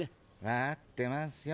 わあってますよ。